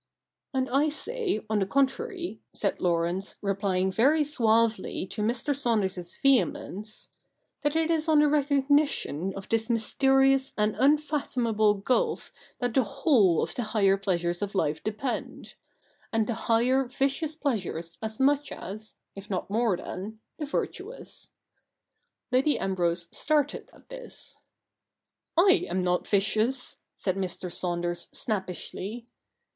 ' And I say, on the contrary,' said Laurence, replying very suavely to Mr. Saunders's vehemence, ' that it is on the recognition of this mysterious and unfathomab cgulf en. Ill] THE NEW REPUBLIC i6i that the whole of the higher pleasures of life depend — and the higher vicious pleasures as much as, if not more than, the virtuous.' Lady Ambrose started at this. '/ am not vicious,' said Mr. Saunders snappishly.